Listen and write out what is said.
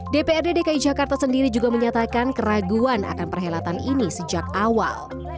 dprd dki jakarta sendiri juga menyatakan keraguan akan perhelatan ini sejak awal